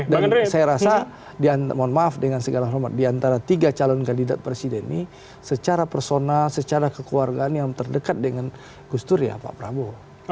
dan saya rasa mohon maaf dengan segala hormat diantara tiga calon kandidat presiden ini secara personal secara kekeluargaan yang terdekat dengan agustus itu ya pak prabowo